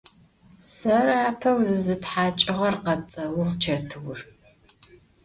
Serı apeu zızıthaç'ığer! – khepts'euğ Çetıur.